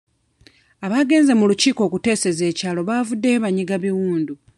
Abagenze mu lukiiko okuteeseza ekyalo bavuddeyo banyiga biwundu.